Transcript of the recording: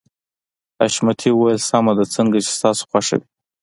حشمتي وويل سمه ده څنګه چې ستاسو خوښه وي.